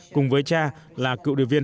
cùng với cha là cựu đợt viên